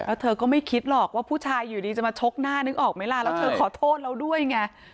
แล้วเธอก็ไม่คิดหรอกว่าผู้ชายอยู่ดีจะมาชกหน้านึกออกไหมล่ะแล้วเธอขอโทษเราด้วยไง